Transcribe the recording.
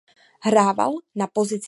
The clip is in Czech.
Hrával na pozici spojky.